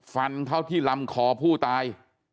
ฟันเข้าที่ลำคอผู้ตาย